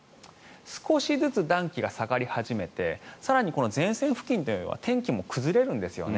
少しずつ暖気が下がり始めて更に、前線付近というのは天気も崩れるんですよね。